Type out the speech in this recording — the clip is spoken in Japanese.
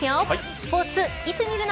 スポーツ、いつ見るの。